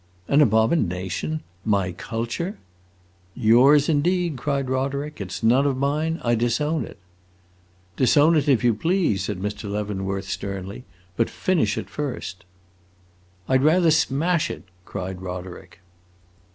"An abomination! My Culture!" "Yours indeed!" cried Roderick. "It 's none of mine. I disown it." "Disown it, if you please," said Mr. Leavenworth sternly, "but finish it first!" "I 'd rather smash it!" cried Roderick.